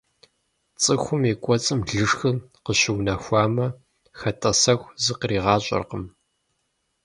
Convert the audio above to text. ЦӀыхум и кӀуэцӀым лышхыр къыщыунэхуамэ, хэтӀэсэху зыкъригъащӀэркъым.